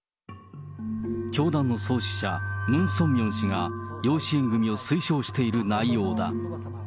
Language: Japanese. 教団の創始者、ムン・ソンミョン氏が養子縁組を推奨している内容だ。